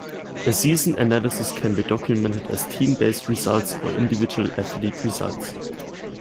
A season analysis can be documented as team-based results or individual athlete results.